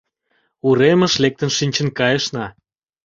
Уремыш лектын шинчын кайышна